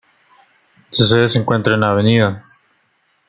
Su sede se encuentra en la Av.